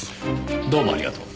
どうもありがとう。